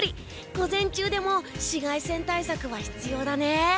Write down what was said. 午前中でも紫外線対策が必要だね。